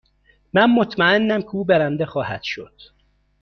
من مطمئنم که او برنده خواهد شد.